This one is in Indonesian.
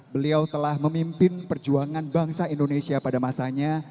beliau telah memimpin perjuangan bangsa indonesia pada masanya